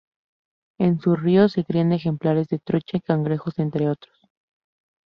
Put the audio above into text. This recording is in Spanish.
En su río se crían ejemplares de trucha y cangrejo entre otros.